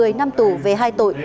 tín bị tham tù về hai tội